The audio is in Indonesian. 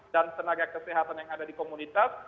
dan tenaga kesehatan yang ada di komunitas